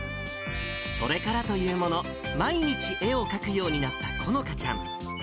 それからというもの、毎日、絵を描くようになったこのかちゃん。